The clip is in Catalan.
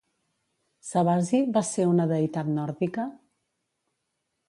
Sabazi va ser una deïtat nòrdica?